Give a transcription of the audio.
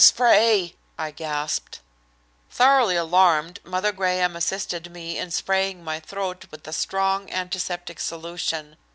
"The spray!" I gasped. Thoroughly alarmed, Mother Graham assisted me in spraying my throat with a strong antiseptic solution.